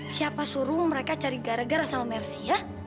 siapa suruh mereka cari gara gara sama mercy ya